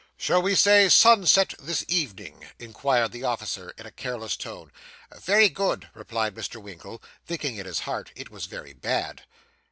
'Shall we say sunset this evening?' inquired the officer, in a careless tone. 'Very good,' replied Mr. Winkle, thinking in his heart it was very bad.